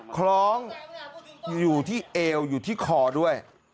คล้องอยู่ที่เอวอยู่ที่คอด้วย